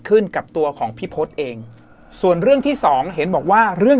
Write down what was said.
กับตัวของพี่พศเองส่วนเรื่องที่สองเห็นบอกว่าเรื่อง